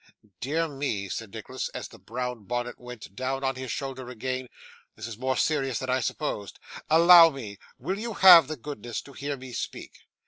'Dear me,' said Nicholas, as the brown bonnet went down on his shoulder again, 'this is more serious than I supposed. Allow me! Will you have the goodness to hear me speak?